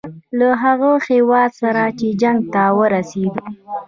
له هغه هیواد سره چې جنګ ته ورسېدو.